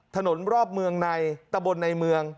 ถนนรอบเมืองในตะบนในเมือง